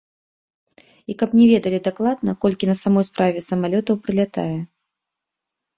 І каб не ведалі дакладна, колькі на самой справе самалётаў прылятае.